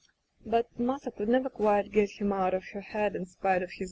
But Martha could never quite get him out of her head in spite of his wicked notions.